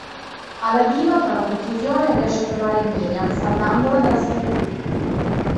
Aladino tra la confusione riesce a trovare Miriam salvandola dalla schiavitù.